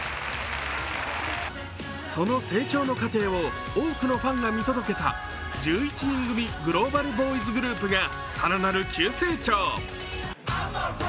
その成長の過程を多くのファンが見届けた１１人組グローバルボーイズグループが更なる急成長。